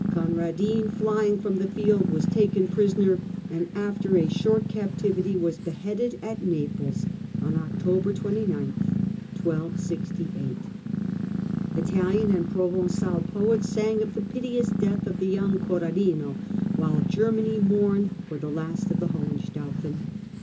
Conradin, flying from the field, was taken prisoner, and after a short captivity, was beheaded at Naples on October 29, 1268. Italian and Provencal poets sang of the piteous death of the young " Corradino," while Germany mourned for the last of the Hohenstaufen.